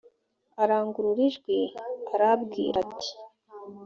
arangurura ijwi arabwira ati